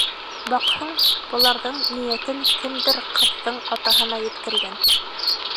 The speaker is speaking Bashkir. Баҡһаң, быларҙың ниәтен кемдер ҡыҙҙың атаһына еткергән.